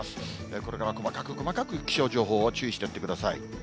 これから細かく細かく、気象情報を注意していってください。